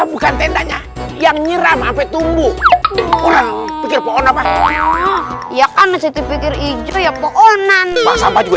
bukan tendanya yang nyeram api tumbuh orang orang ya kan masih dipikir ijo ya pohon nanti sama juga